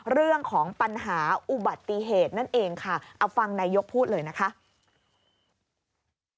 เรื่องของปัญหาอุบัติเหตุนั่นเองค่ะ